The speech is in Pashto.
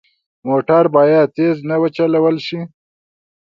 موټر باید تېز نه وچلول شي.